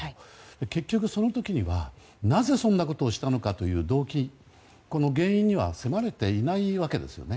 結局、その時にはなぜ、そんなことをしたのかという動機この原因には迫れていないわけですよね。